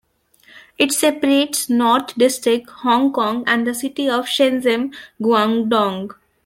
It separates North District, Hong Kong and the city of Shenzhen, Guangdong.